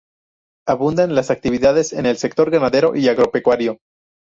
Abundan las actividades en el sector ganadero y agropecuario.